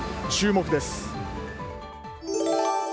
注目です。